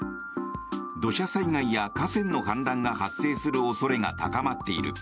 土砂災害や河川の氾濫が発生する恐れが高まっている。